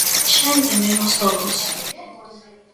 Xa entendemos todos.